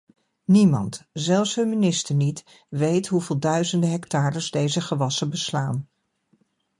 Niemand, zelfs hun minister niet, weet hoeveel duizenden hectares deze gewassen beslaan.